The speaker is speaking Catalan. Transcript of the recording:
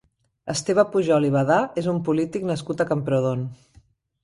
Esteve Pujol i Badà és un polític nascut a Camprodon.